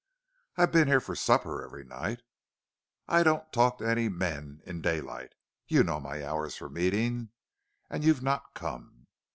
"I've been here for supper every night." "I don't talk to any men in daylight. You know my hours for meeting. And you've not come."